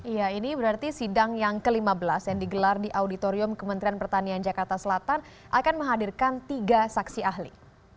iya ini berarti sidang yang ke lima belas yang digelar di auditorium kementerian pertanian jakarta selatan akan menghadirkan tiga saksi ahli